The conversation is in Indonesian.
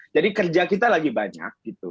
jadi kerja kita lagi banyak gitu